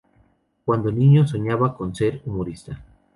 Cuando niño soñaba con ser humorista.